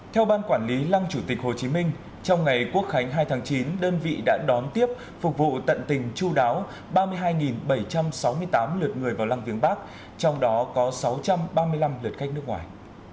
theo ban quản lý lăng chủ tịch hồ chí minh trong ngày quốc khánh hai tháng chín đơn vị đã đón tiếp phục vụ tận tình chú đáo ba mươi hai bảy trăm sáu mươi tám lượt người vào lăng viếng bắc trong đó có sáu trăm ba mươi năm lượt khách nước ngoài